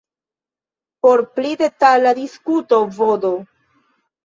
Por pli detala diskuto vd.